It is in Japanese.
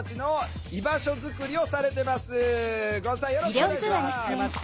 よろしくお願いします。